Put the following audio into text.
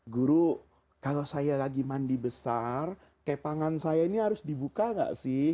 guru kalau saya lagi mandi besar kepangan saya ini harus dibuka nggak sih